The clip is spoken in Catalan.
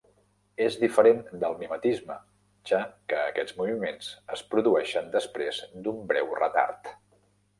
És diferent del mimetisme, ja que aquests moviments es produeixen després d'un breu retard.